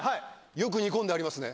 よく煮込んでありますね。